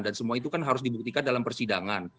dan semua itu kan harus dibuktikan dalam persidangan